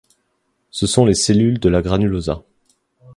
Ce sont les cellules de la granulosa.